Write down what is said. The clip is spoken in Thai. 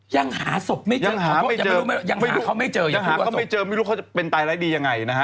ยังหาศพไม่เจอยังไม่รู้ยังหาเขาไม่เจอยังหาเขาไม่เจอไม่รู้เขาจะเป็นตายร้ายดียังไงนะฮะ